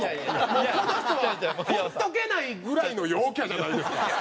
もうこの人はほっとけないぐらいの陽キャじゃないですか。